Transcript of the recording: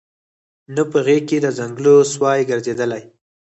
نه په غېږ کي د ځنګله سوای ګرځیدلای